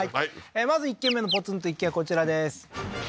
まず１軒目のポツンと一軒家こちらです